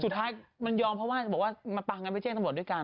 สุดท้ายยอมเพราะว่ามาปางกันไว้เจ๊ทั่วหมดด้วยกัน